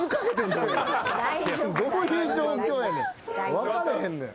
分かれへんねん。